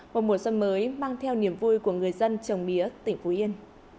một mùa xuân mới mang theo niềm vui của người dân trồng mía tỉnh phú yên